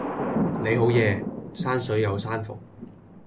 你好嘢，山水有山逢